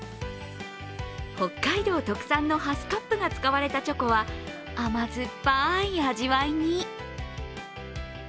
北海道特産のハスカップが使われたチョコは甘酸っぱい味わいに。